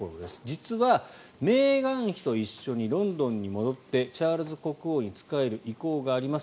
実はメーガン妃と一緒にロンドンに戻ってチャールズ国王に仕える意向があります